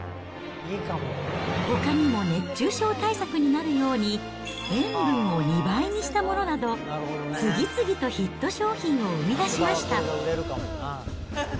ほかにも熱中症対策になるように、塩分を２倍にしたものなど、次々とヒット商品を生み出しました。